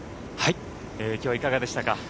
きょうはいかがでしたか？